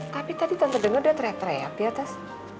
tapi tadi tante dengar dia teriak teriak di atas